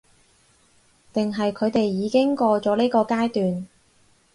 定係佢哋已經過咗呢個階段？